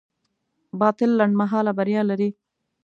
باطل لنډمهاله بریا لري.